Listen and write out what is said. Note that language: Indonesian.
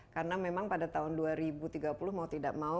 karena memang pada tahun dua ribu tiga puluh mau tidak mau